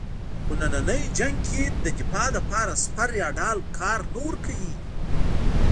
خو نننی جنګ کې د دفاع لپاره سپر یا ډال کار نه ورکوي.